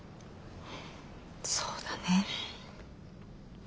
そうだね。